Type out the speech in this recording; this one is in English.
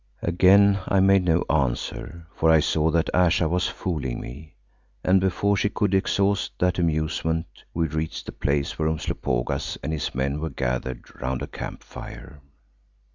Again I made no answer for I saw that Ayesha was fooling me, and before she could exhaust that amusement we reached the place where Umslopogaas and his men were gathered round a camp fire.